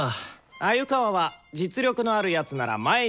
鮎川は実力のある奴なら前に出す！